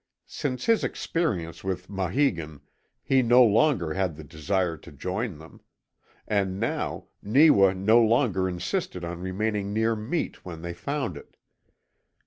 Since his experience with Maheegun he no longer had the desire to join them. And now Neewa no longer insisted on remaining near meat when they found it.